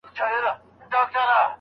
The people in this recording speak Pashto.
که له موجونو ډارېدلای غېږ ته نه درتلمه